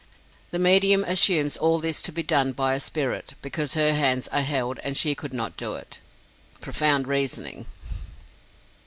The medium assumes all this to be done by a spirit, because her hands are held and she could not do it! Profound reasoning!